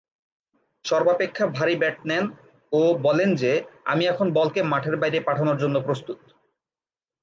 সর্বাপেক্ষা ভারী ব্যাট নেন ও বলেন যে, আমি এখন বলকে মাঠের বাইরে পাঠানোর জন্য প্রস্তুত।